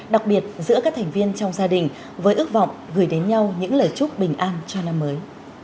đặc biệt giữa các thành viên trong gia đình với ước vọng gửi đến nhau những lời chúc bình an cho năm mới